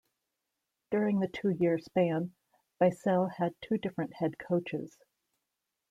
During the two-year span, Vissel had five different head coaches.